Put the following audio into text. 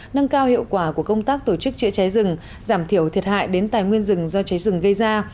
nâng cao hiệu quả của công tác tổ chức chữa cháy rừng giảm thiểu thiệt hại đến tài nguyên rừng do cháy rừng gây ra